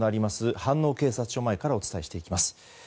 飯能警察署前からお伝えしていきます。